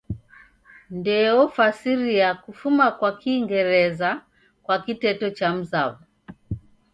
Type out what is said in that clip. Ndee ofasiria kufuma kwa kingereza kwa kiteto chamzaw'o.